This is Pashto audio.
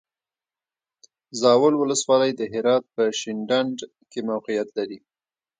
زاول ولسوالی د هرات په شینډنډ کې موقعیت لري.